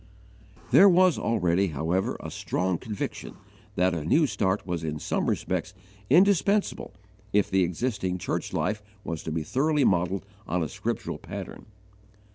There was already, however, a strong conviction that a new start was in some respects indispensable if the existing church life was to be thoroughly modelled on a scriptural pattern.